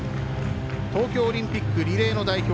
東京オリンピックリレーの代表